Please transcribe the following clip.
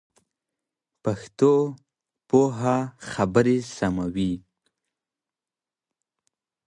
پښتو پوهه خبري سموي.